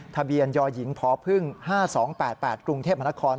ทะเบียนยอยหญิงพอพึ่ง๕๒๘๘กรุงเทพฯมหาคอน